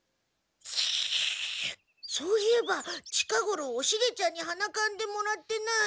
そういえば近ごろおシゲちゃんにはなかんでもらってない。